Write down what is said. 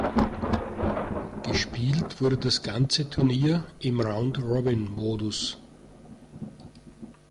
Gespielt wurde das ganze Turnier im Round Robin Modus.